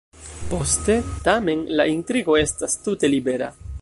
Poste, tamen, la intrigo estas tute libera.